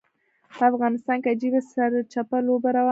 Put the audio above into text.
په افغانستان کې عجیبه سرچپه لوبه روانه ده.